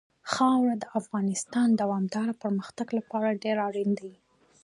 خاوره د افغانستان د دوامداره پرمختګ لپاره ډېر اړین دي.